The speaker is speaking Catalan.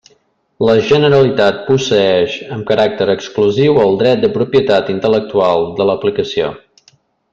La Generalitat posseïx, amb caràcter exclusiu, el dret de propietat intel·lectual de l'aplicació.